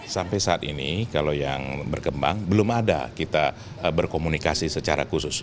sampai saat ini kalau yang berkembang belum ada kita berkomunikasi secara khusus